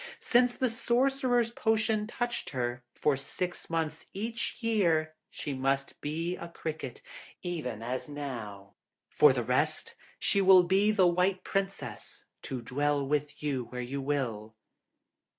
Since the Sorcerer's potion touched her, for six months each year she must be a cricket, even as now; for the rest, she will be the White Princess, to dwell with you where you will.'